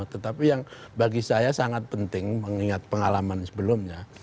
tetapi yang bagi saya sangat penting mengingat pengalaman sebelumnya